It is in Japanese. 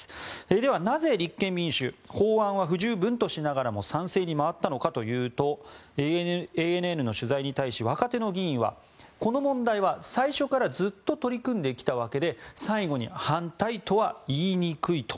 では、なぜ立憲民主法案は不十分としながら賛成に回ったのかというとＡＮＮの取材に対し若手の議員はこの問題は最初からずっと取り組んできたわけで最後に反対とは言いにくいと。